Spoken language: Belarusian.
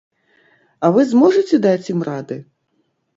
А вы зможаце даць ім рады?